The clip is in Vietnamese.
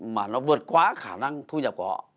mà nó vượt quá khả năng thu nhập của họ